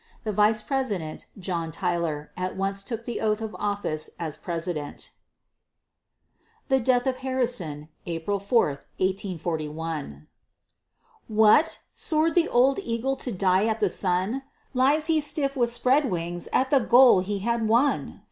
The vice president, John Tyler, at once took the oath of office as president. THE DEATH OF HARRISON [April 4, 1841] What! soar'd the old eagle to die at the sun! Lies he stiff with spread wings at the goal he had won!